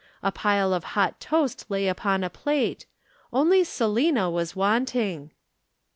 A pile of hot toast lay upon a plate. Only Selina was wanting.